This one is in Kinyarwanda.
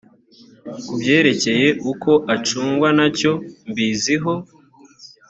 ku byerekeye uko acungwa ntacyo mbiziho